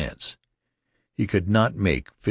He could not make $15.